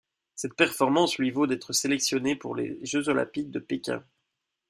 Cette performance lui vaut d'être sélectionné pour les Jeux olympiques de Pékin.